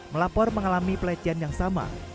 melapor mengalami pelecehan yang sama